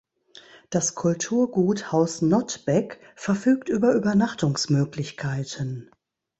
Das „Kulturgut Haus Nottbeck“ verfügt über Übernachtungsmöglichkeiten.